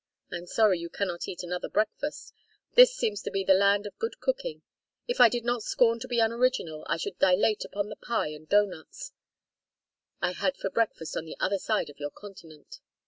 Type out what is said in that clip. I am sorry you cannot eat another breakfast. This seems to be the land of good cooking. If I did not scorn to be unoriginal I should dilate upon the pie and doughnuts I had for breakfast on the other side of your continent."